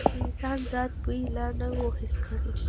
د انسان ذات بوی لا نه و حس کړی.